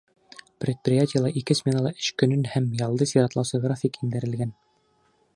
Предприятиела ике сменала эш көнөн һәм ялды сиратлаусы график индерелгән.